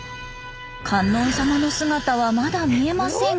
観音さまの姿はまだ見えませんが。